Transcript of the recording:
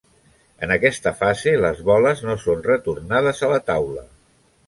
En aquesta fase, les boles no són retornades a la taula.